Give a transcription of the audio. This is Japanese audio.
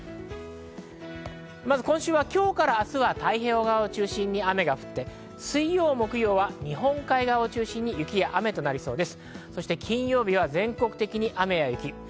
今週は今日から明日は太平洋側を中心に雨が降って水曜、木曜は日本海側を中心に雪や雨となりそうです。